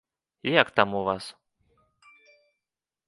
Як там у вас?